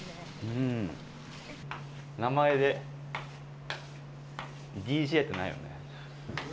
名前でＤＪってないよね。